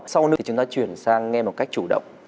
sau nữa thì chúng ta chuyển sang nghe một cách chủ động